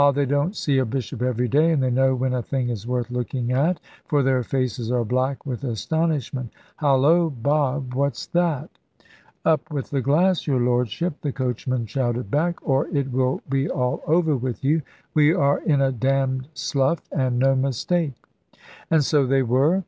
they don't see a bishop every day, and they know when a thing is worth looking at, for their faces are black with astonishment. Holloa, Bob! what's that?" "Up with the glass, your Lordship," the coachman shouted back; "or it will be all over with you. We are in a damned slough, and no mistake." And so they were.